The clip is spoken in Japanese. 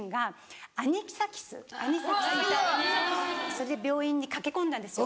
それで病院に駆け込んだんですよ